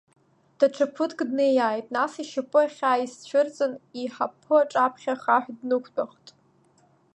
Даҽа ԥыҭк днеиааит, нас ишьапы ахьаа изцәырҵын, иҳаԥы аҿаԥхьа ахаҳә днықәтәахт.